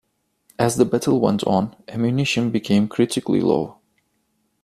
As the battle went on, ammunition became critically low.